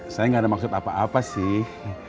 saya nggak ada maksud apa apa sih